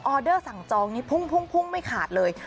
เดอร์สั่งจองนี้พุ่งไม่ขาดเลย